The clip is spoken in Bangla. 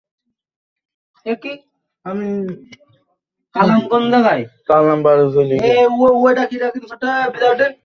আমার কথা কুরাইশের লোকদের কানে পৌঁছামাত্র তারা ভয় পেয়ে গেল।